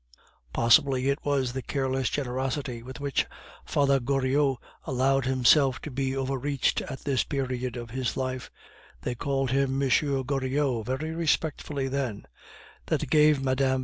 Possibly it was the careless generosity with which Father Goriot allowed himself to be overreached at this period of his life (they called him Monsieur Goriot very respectfully then) that gave Mme.